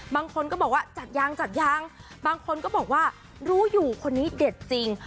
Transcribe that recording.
บางคนก็บอกว่าจัดยางจัดยางบางคนก็บอกว่ารู้อยู่คนนี้เด็ดจริง